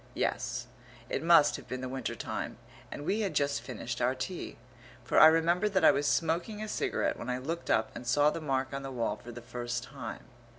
Yes, it must have been the winter time, and we had just finished our tea, for I remember that I was smoking a cigarette when I looked up and saw the mark on the wall for the first time.